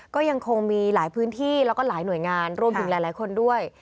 ก็ยังคงมีหลายพื้นที่แล้วก็หลายหน่วยงานรวมถึงหลายคนด้วย